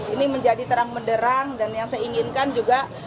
ini menjadi terang menderang dan yang saya inginkan juga